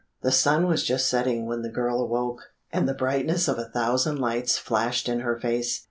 The sun was just setting when the girl awoke, and the brightness of a thousand lights flashed in her face.